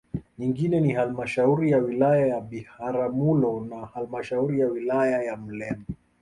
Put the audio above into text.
Nyingine ni Halmashauri ya wilaya ya Biharamulo na halmashauri ya Wilaya ya Muleba